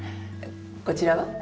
こちらは？